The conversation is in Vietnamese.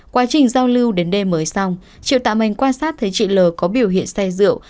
quá trình giao lưu đến đêm mới xong triệu tạm mình quan sát thấy chị lờ có biểu hiện xe rượu